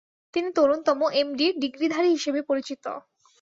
তিনি তরুণতম এম.ডি. ডিগ্রিধারী হিসেবে পরিচিত।